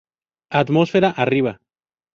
Atmósfera arriba.